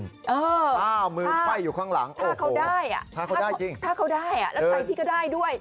ถ้ามือไฟอยู่ข้างหลังถ้าเขาได้อ่ะถ้าเขาได้จริงถ้าเขาได้อ่ะแล้วใส่พี่ก็ได้ด้วย